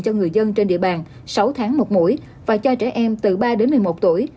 cho người dân trên địa bàn sáu tháng một mũi và cho trẻ em từ ba đến một mươi một tuổi